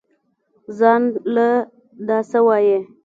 زان له دا سه وايې.